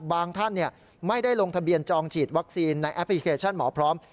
ท่านไม่ได้ลงทะเบียนจองฉีดวัคซีนในแอปพลิเคชันหมอพร้อม